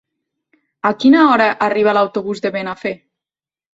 A quina hora arriba l'autobús de Benafer?